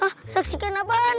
hah saksikan apaan